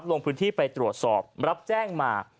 ลงพื้นที่ไปตรวจสอบรับแจ้งมา